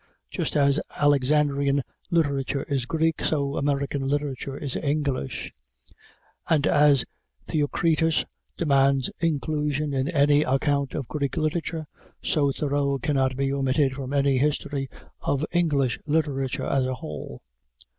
Just as Alexandrian literature is Greek, so American literature is English; and as Theocritus demands inclusion in any account of Greek literature, so Thoreau cannot be omitted from any history of English literature as a whole.